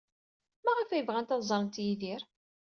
Maɣef ay bɣant ad ẓrent Yidir?